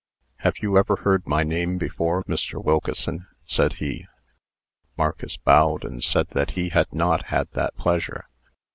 "Have you ever heard my name before, Mr. Wilkeson?" said he. Marcus bowed, and said that he had not had that pleasure.